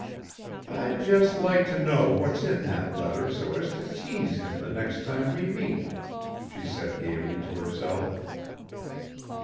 "I'd just like to know what's in that letter so as to tease him the next time we meet," she said gaily to herself.